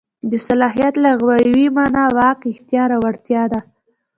د صلاحیت لغوي مانا واک، اختیار او وړتیا ده.